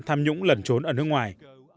tham nhũng lần trốn ở nước ngoài